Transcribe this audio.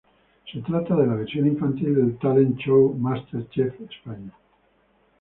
Se trata de la versión infantil del talent show "MasterChef España".